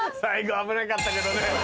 最後危なかったけどね。